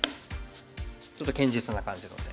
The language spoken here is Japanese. ちょっと堅実な感じの手。